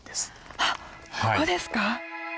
はっここですか。